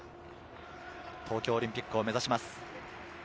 東京オリンピックを目指します。